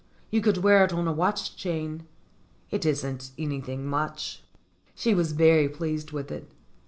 You could wear it on a watch chain ; it isn't anything much." She was very pleased with it.